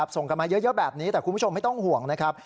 ส่งกันมาเยอะแบบนี้แต่คุณผู้ชมไม่ต้องห่วงนะครับ